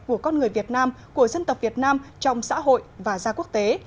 của con người việt nam của dân tộc việt nam trong xã hội và ra quốc tế